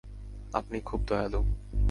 আপনি খুব দয়ালু।